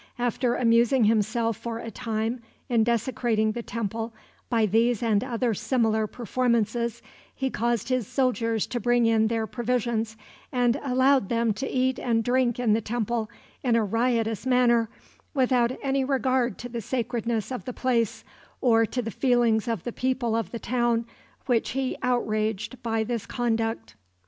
After amusing himself for a time in desecrating the temple by these and other similar performances, he caused his soldiers to bring in their provisions, and allowed them to eat and drink in the temple, in a riotous manner, without any regard to the sacredness of the place, or to the feelings of the people of the town which he outraged by this conduct.